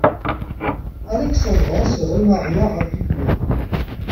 Alexandra se remaria rapidement.